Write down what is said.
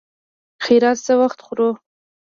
خيرات څه وخت خورو.